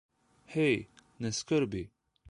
Hej, ne skrbi.